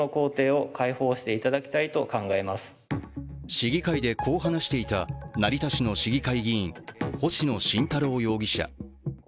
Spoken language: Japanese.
市議会でこう話していた成田市の市議会議員、星野慎太郎容疑者。